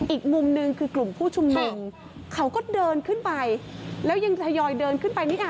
อีกมุมหนึ่งคือกลุ่มผู้ชุมนุมเขาก็เดินขึ้นไปแล้วยังทยอยเดินขึ้นไปนี่อ่ะ